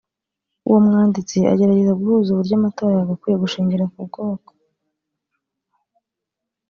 uwo mwanditsi agerageza guhuza uburyo amatora yagakwiye gushingira ku bwoko